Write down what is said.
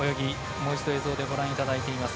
もう一度映像でご覧いただいています。